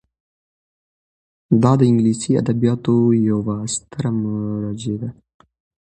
دا د انګلیسي ادبیاتو یوه ستره مرجع ده.